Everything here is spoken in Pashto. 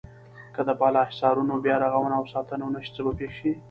که د بالا حصارونو بیا رغونه او ساتنه ونشي څه به پېښ شي.